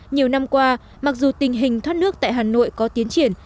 nhiều năm qua mặc dù tình hình thoát nước tại hà nội có tiến triển